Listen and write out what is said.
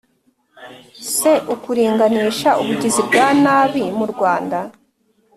Se ukuringanisha ubugizi bwa nabi mu rwanda